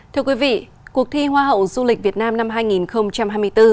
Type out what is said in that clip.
thưa quý vị cuộc thi hoa hậu du lịch việt nam năm hai nghìn hai mươi bốn